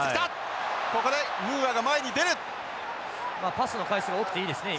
パスの回数が多くていいですね